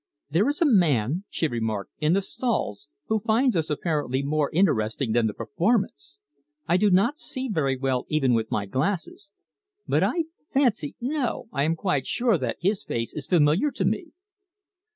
"There is a man," she remarked, "in the stalls, who finds us apparently more interesting than the performance. I do not see very well even with my glasses, but I fancy, no! I am quite sure, that his face is familiar to me."